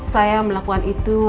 saya melakukan itu